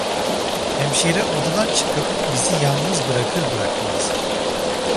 Hemşire odadan çıkıp bizi yalnız bırakır bırakmaz.